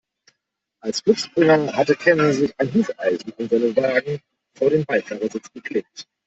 Als Glücksbringer hatte Ken sich ein Hufeisen in seinem Wagen vor den Beifahrersitz geklebt.